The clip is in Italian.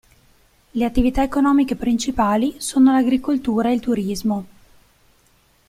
Le attività economiche principali sono l'agricoltura e il turismo.